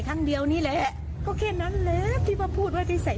ครั้งเดียวนี่แหละก็แค่นั้นแหละที่มาพูดว่าที่ใส่